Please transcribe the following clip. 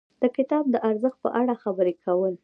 د کتاب د ارزښت په اړه خبرې کول.